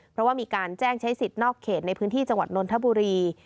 เพราะว่ามีการแจ้งใช้สิทธิ์นอกเขตในพื้นที่จังหวัดนนทบุรี